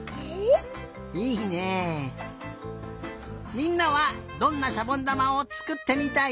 みんなはどんなしゃぼんだまをつくってみたい？